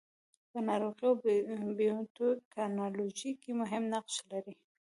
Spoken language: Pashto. په ناروغیو او بیوټیکنالوژي کې مهم نقش لري.